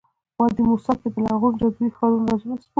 وادي موسی کې د لرغوني جادویي ښار رازونه سپړو.